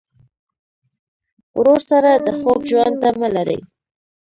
ورور سره د خوږ ژوند تمه لرې.